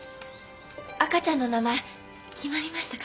赤ちゃんの名前決まりましたか？